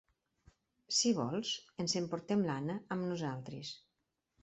Si vols, ens emportem l'Anna amb nosaltres.